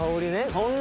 そんな！